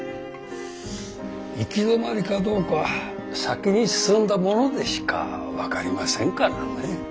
行き止まりかどうか先に進んだ者でしか分かりませんからね。